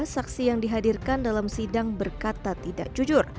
saksi yang dihadirkan dalam sidang berkata tidak jujur